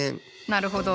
なるほど。